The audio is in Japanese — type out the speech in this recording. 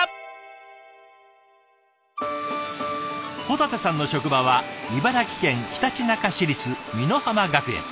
保立さんの職場は茨城県ひたちなか市立美乃浜学園。